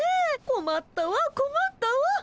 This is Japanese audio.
こまったわこまったわ。